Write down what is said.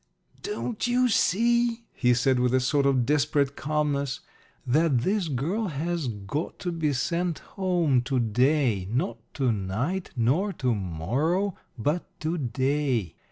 "Don't you see," he said, with a sort of desperate calmness, "that this girl has got to be sent home to day not to night nor to morrow, but to day?